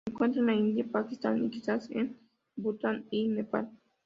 Se encuentra en la India, Pakistán y, quizá en Bután y Nepal.